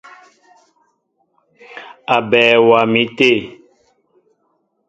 Aɓέɛ waá mi té.